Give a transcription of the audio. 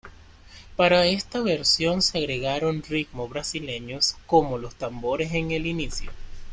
Para esta versión se agregaron ritmos brasileños, como los tambores en el inicio.